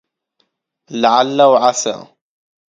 لعل وعسى